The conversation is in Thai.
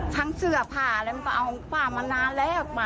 ทั้งเสื้อผ้าอะไรมันก็เอาป้ามานานแล้ว